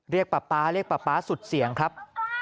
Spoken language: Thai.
เรียกปั๊ปป๊าเรียกปั๊ปป๊าสุดเสี่ยงครับ